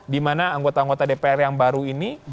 di mana anggota anggota dpr yang baru ini